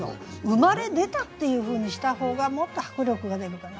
生まれ出たっていうふうにした方がもっと迫力が出るかな。